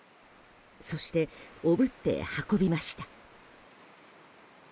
そしておぶって運びました。